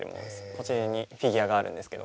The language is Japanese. こちらにフィギュアがあるんですけど。